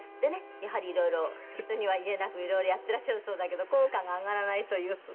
やはりいろいろ人には言えなくいろいろやってらっしゃるそうだけど効果が上がらないという。